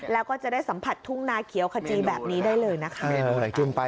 แล้วก็จะได้สัมผัสทุ่งนาเขียวขจีแบบนี้ได้เลยนะคะ